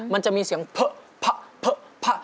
มันจะมีเสียงเผ่ะเผ่ะเผ่ะเผ่ะ